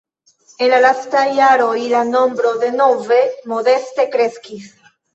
En la lastaj jaroj la nombro de nove modeste kreskis.